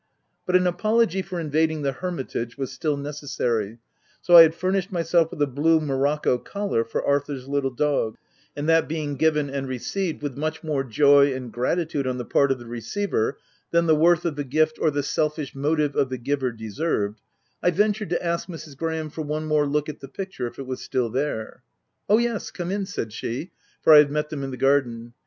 But an apology for invading the hermitage was still necessary ; so I had furnished myself with a blue morocco collar for Arthur's little dog ; and that being given and received, with much more joy and gratitude, on the part of the receiver, than the worth of the gift, or the selfish motive of the giver deserved, I ventured to ask Mrs. Graham for one more look at the picture, if it was still there. " Oh yes ! come in," said she (for I had met them in the garden).